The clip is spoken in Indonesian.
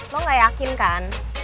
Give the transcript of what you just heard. lo gak yakin kan